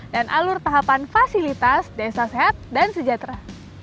dan alur tahapan fasilitas desa sehat dan sejahtera